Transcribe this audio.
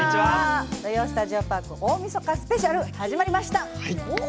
「土曜スタジオパーク大みそかスペシャル」始まりました。